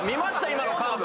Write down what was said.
今のカーブ！